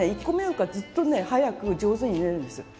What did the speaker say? １個めよかずっと早く上手に縫えるんです。